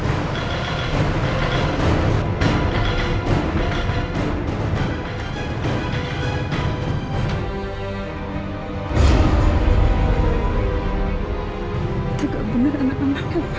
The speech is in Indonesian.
tidak benar anak anaknya bapak